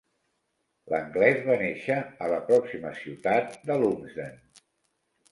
L'anglès va néixer a la pròxima ciutat de Lumsden.